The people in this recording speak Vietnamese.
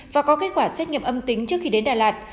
và có kết quả xét nghiệm âm tính trước khi đến đà lạt